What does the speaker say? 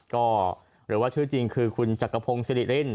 ก็หรือว่าชื่อจริงคือคุณจักรพงศิริริน